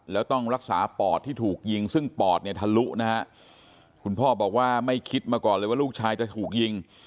แล้วต้องรักษาปอดที่ถูกยิงซึ่งปอดเนี่ยทะลุนะฮะคุณพ่อบอกว่าไม่คิดมาก่อนเลยว่าลูกชายจะถูกยิง